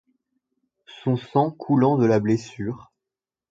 Son sang coulant de la blessure.